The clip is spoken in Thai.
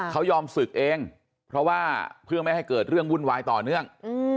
เขายอมศึกเองเพราะว่าเพื่อไม่ให้เกิดเรื่องวุ่นวายต่อเนื่อง